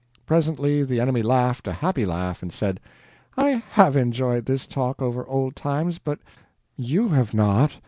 Presently the enemy laughed a happy laugh and said: "I HAVE enjoyed this talk over old times, but you have not.